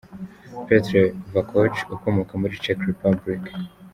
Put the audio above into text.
Petr Vakoc ukomoka muri Czech Republic.